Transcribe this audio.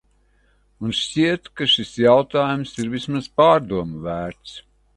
Un šķiet, ka šis jautājums ir vismaz pārdomu vērts.